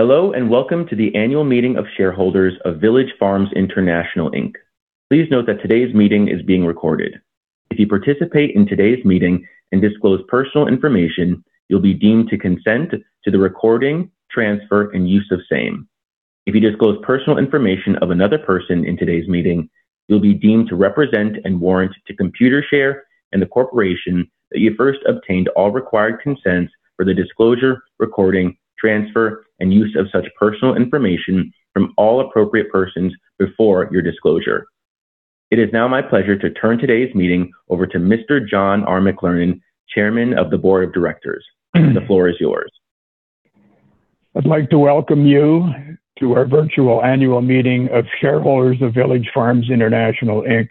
Hello, welcome to the annual meeting of shareholders of Village Farms International Inc. Please note that today's meeting is being recorded. If you participate in today's meeting and disclose personal information, you'll be deemed to consent to the recording, transfer, and use of same. If you disclose personal information of another person in today's meeting, you'll be deemed to represent and warrant to Computershare and the corporation that you first obtained all required consents for the disclosure, recording, transfer, and use of such personal information from all appropriate persons before your disclosure. It is now my pleasure to turn today's meeting over to Mr. John R. McLernon, Chairman of the Board of Directors. The floor is yours. I'd like to welcome you to our virtual annual meeting of shareholders of Village Farms International Inc.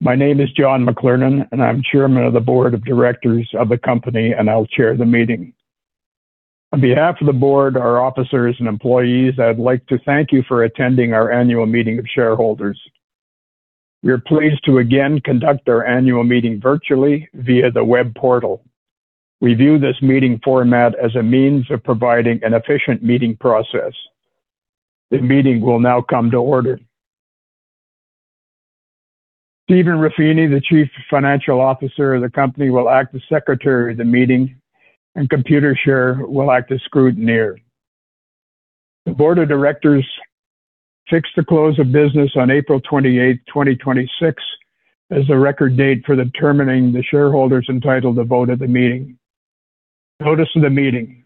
My name is John McLernon, and I'm Chairman of the Board of Directors of the company, and I'll chair the meeting. On behalf of the board, our officers, and employees, I'd like to thank you for attending our annual meeting of shareholders. We are pleased to again conduct our annual meeting virtually via the web portal. We view this meeting format as a means of providing an efficient meeting process. The meeting will now come to order. Stephen Ruffini, the Chief Financial Officer of the company, will act as secretary of the meeting, and Computershare will act as scrutineer. The Board of Directors fixed the close of business on April 28th, 2026, as the record date for determining the shareholders entitled to vote at the meeting. Notice of the meeting.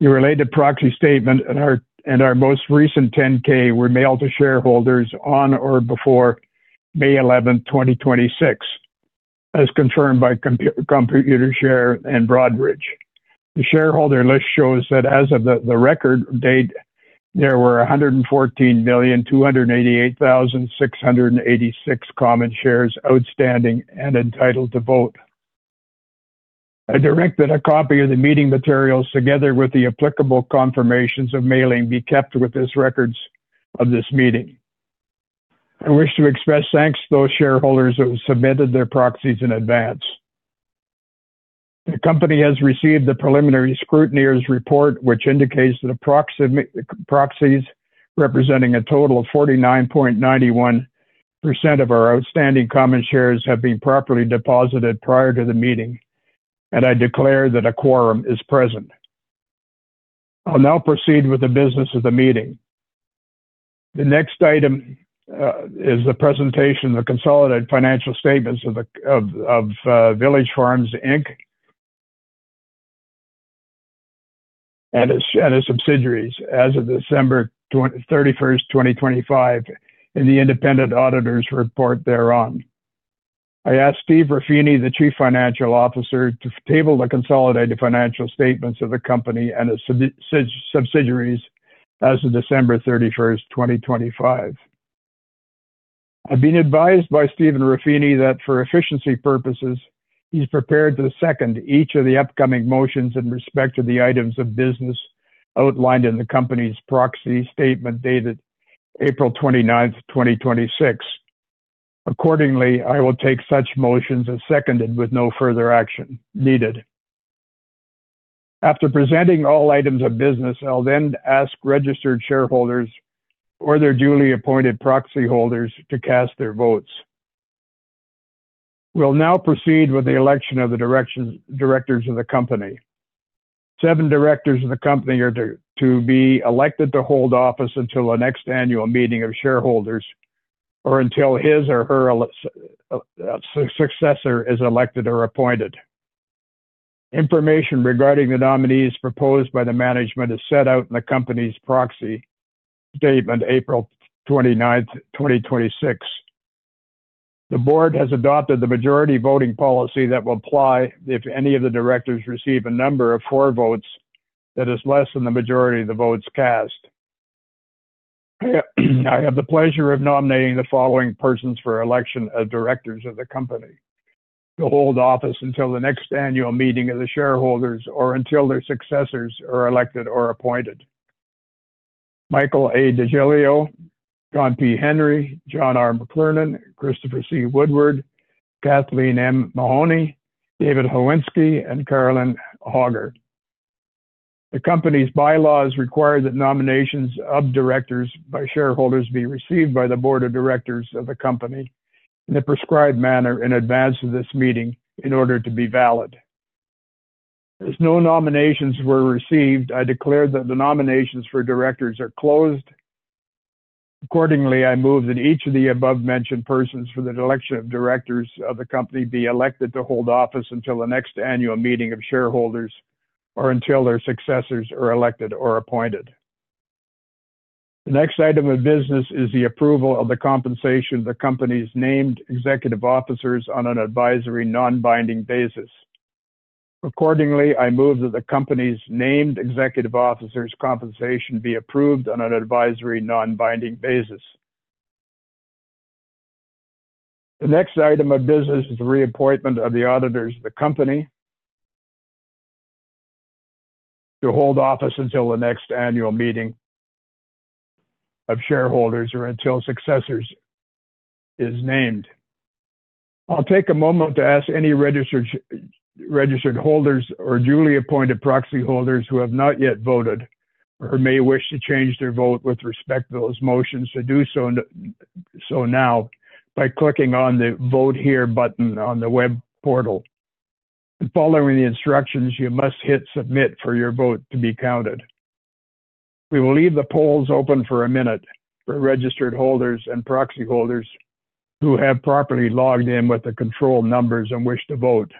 The related proxy statement and our most recent 10-K were mailed to shareholders on or before May 11th, 2026, as confirmed by Computershare and Broadridge. The shareholder list shows that as of the record date, there were 114,288,686 common shares outstanding and entitled to vote. I directed a copy of the meeting materials, together with the applicable confirmations of mailing, be kept with the records of this meeting. I wish to express thanks to those shareholders that submitted their proxies in advance. The company has received the preliminary scrutineer's report, which indicates that proxies representing a total of 49.91% of our outstanding common shares have been properly deposited prior to the meeting, and I declare that a quorum is present. I'll now proceed with the business of the meeting. The next item is the presentation of the consolidated financial statements of Village Farms Inc. and its subsidiaries as of December 31st, 2025, and the independent auditor's report thereon. I ask Steve Ruffini, the Chief Financial Officer, to table the consolidated financial statements of the company and its subsidiaries as of December 31st, 2025. I've been advised by Stephen Ruffini that for efficiency purposes, he's prepared to second each of the upcoming motions in respect to the items of business outlined in the company's proxy statement dated April 29th, 2026. I will take such motions as seconded with no further action needed. After presenting all items of business, I'll then ask registered shareholders or their duly appointed proxy holders to cast their votes. We'll now proceed with the election of the directors of the company. Seven directors of the company are to be elected to hold office until the next annual meeting of shareholders or until his or her successor is elected or appointed. Information regarding the nominees proposed by the management is set out in the company's proxy statement April 29th, 2026. The board has adopted the majority voting policy that will apply if any of the directors receive a number of for votes that is less than the majority of the votes cast. I have the pleasure of nominating the following persons for election as directors of the company to hold office until the next annual meeting of the shareholders or until their successors are elected or appointed: Michael A. DeGiglio, John P. Henry, John R. McLernon, Christopher C. Woodward, Kathleen M. Mahoney, David Holewinski, and Carolyn Hauger. The company's bylaws require that nominations of directors by shareholders be received by the Board of Directors of the company in the prescribed manner in advance of this meeting in order to be valid. As no nominations were received, I declare that the nominations for directors are closed. I move that each of the above-mentioned persons for the election of directors of the company be elected to hold office until the next annual meeting of shareholders or until their successors are elected or appointed. The next item of business is the approval of the compensation of the company's named executive officers on an advisory, non-binding basis. I move that the company's named executive officers' compensation be approved on an advisory, non-binding basis. The next item of business is the reappointment of the auditors of the company to hold office until the next annual meeting of shareholders or until successors is named. I'll take a moment to ask any registered holders or duly appointed proxy holders who have not yet voted or who may wish to change their vote with respect to those motions to do so now by clicking on the Vote Here button on the web portal. Following the instructions, you must hit Submit for your vote to be counted. We will leave the polls open for one minute for registered holders and proxy holders who have properly logged in with the control numbers and wish to vote.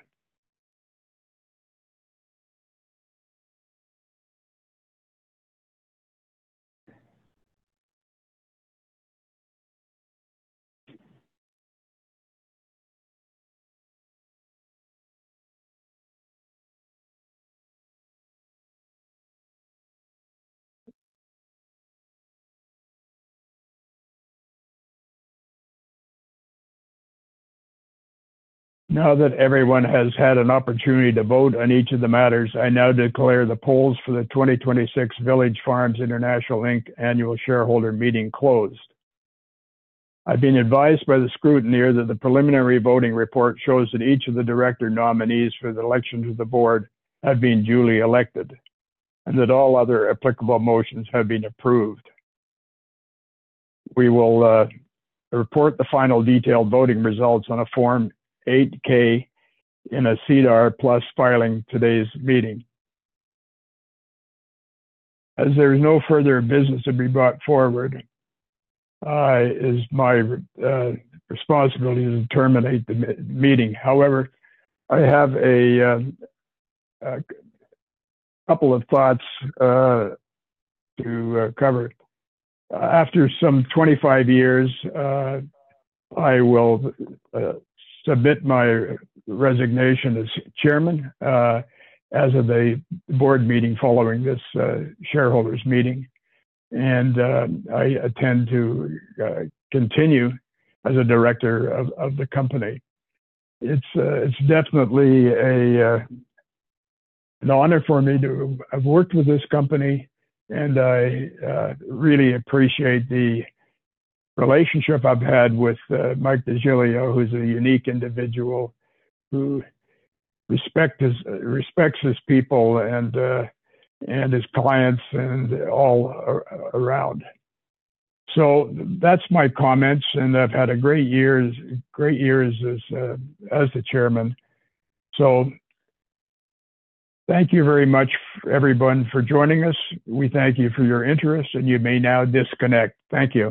That everyone has had an opportunity to vote on each of the matters, I now declare the polls for the 2026 Village Farms International Inc. Annual Shareholder Meeting closed. I've been advised by the scrutineer that the preliminary voting report shows that each of the director nominees for the election to the board have been duly elected, and that all other applicable motions have been approved. We will report the final detailed voting results on a Form 8-K in a SEDAR+ filing today's meeting. As there is no further business to be brought forward, it is my responsibility to terminate the meeting. However, I have a couple of thoughts to cover. After some 25 years, I will submit my resignation as chairman as of a board meeting following this shareholders meeting, and I intend to continue as a director of the company. It's definitely an honor for me to have worked with this company, and I really appreciate the relationship I've had with Mike DeGiglio, who's a unique individual who respects his people and his clients and all around. That's my comments, and I've had great years as the chairman. Thank you very much, everyone, for joining us. We thank you for your interest, and you may now disconnect. Thank you.